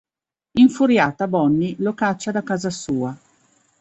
Infuriata, Bonnie lo caccia da casa sua.